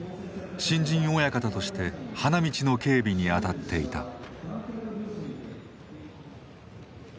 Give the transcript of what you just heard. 新人親方として花道の警備にあたっていた。